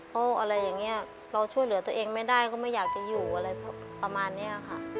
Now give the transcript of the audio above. เขาอะไรอย่างนี้เราช่วยเหลือตัวเองไม่ได้ก็ไม่อยากจะอยู่อะไรประมาณนี้ค่ะ